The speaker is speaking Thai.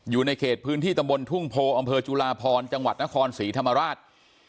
อยู่ในเขตพื้นที่ตำบลทุ่งโพอำเภอจุลาพรจังหวัดนครศรีธรรมราช